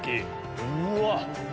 うわっ！